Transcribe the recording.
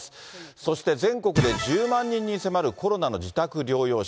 そして全国で１０万人に迫るコロナの自宅療養者。